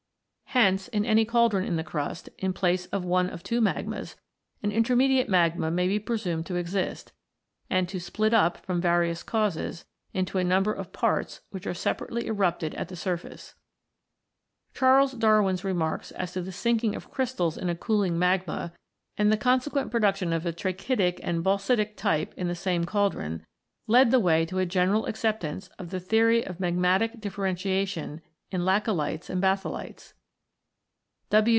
Hence, in any cauldron in the crust, in place of one of two magmas, an inter mediate magma may be presumed to exist, and to split up, from various causes, into a number of parts which are separately erupted at the surface. Charles Darwin's (78) remarks as to the sinking of crystals in a cooling magma, and the consequent production of a trachytic and basaltic type in the same cauldron, led the way to a general acceptance of the theory of magmatic differentiation in laccolites and batholites.